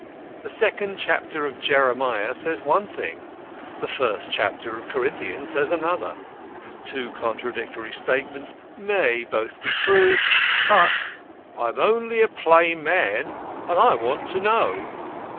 The second chapter of Jeremiah says one thing; the first chapter of Corinthians says another. Two contradictory statements may both be true, but "I am only a plain man, and I want to know."